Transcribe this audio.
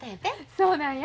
そうなんや。